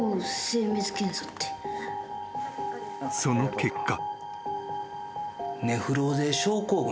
［その結果］